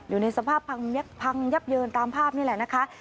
อยู่ในสภาพพังยับพังยับเยินตามภาพนี่แหละนะคะ